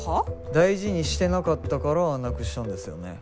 大事にしてなかったからなくしちゃうんですよね。